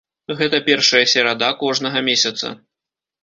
Гэта першая серада кожнага месяца.